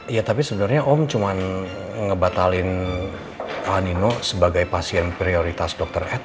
iya tapi sebenernya om cuma ngebatalkan nino sebagai pasien prioritas dokter ed